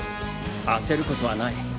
焦ることはない。